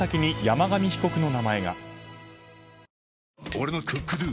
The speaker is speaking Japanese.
俺の「ＣｏｏｋＤｏ」！